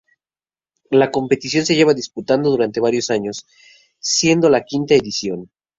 La competición se lleva disputando durante varios años, siendo esta la V edición.